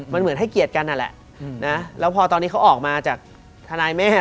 มันเหมือนให้เกียรติกันนั่นแหละนะแล้วพอตอนนี้เขาออกมาจากทนายแม่